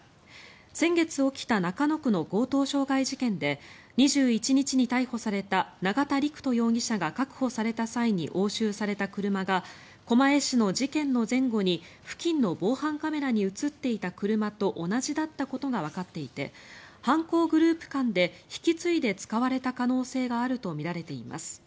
先月起きた中野区の強盗傷害事件で２１日に逮捕された永田陸人容疑者が確保された際に押収された車が狛江市の事件の前後に付近の防犯カメラに映っていた車と同じだったことがわかっていて犯行グループ間で引き継いで使われた可能性があるとみられています。